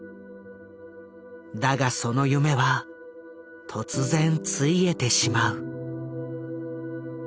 だがその夢は突然ついえてしまう。